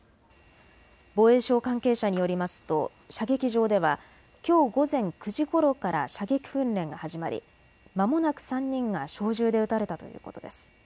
防衛省関係者によりますと射撃場ではきょう午前９時ごろから射撃訓練が始まりまもなく３人が小銃で撃たれたということです。